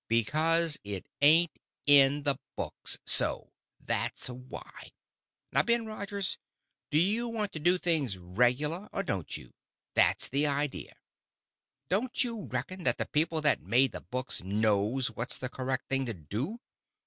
"Because it ain't in the books so—that's why. Now, Ben Rogers, do you want to do things regular, or don't you?—that's the idea. Don't you reckon that the people that made the books knows what's the correct thing to do?